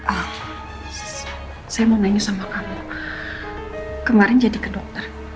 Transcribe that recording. ah saya mau nanya sama kamu kemarin jadi ke dokter